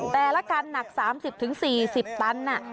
แต่ละกันหนัก๓๐๔๐ตัน